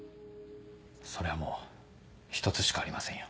そりゃもう１つしかありませんよ。